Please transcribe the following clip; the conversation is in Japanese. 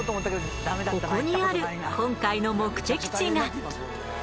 ここにある今回の目的地が。